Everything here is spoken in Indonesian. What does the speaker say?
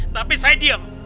tapi saya diem